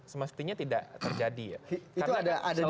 semestinya tidak terjadi ya itu ada ada